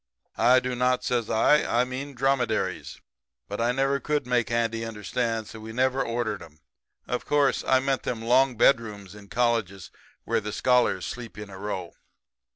"'I do not,' says I. 'I mean dromedaries.' But I never could make Andy understand; so we never ordered 'em. Of course, I meant them long bedrooms in colleges where the scholars sleep in a row.